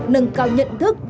nâng cao nhận thức